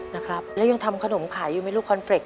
นะครับแล้วยังทำขนมขายอยู่ไหมลูกคอนเฟรกต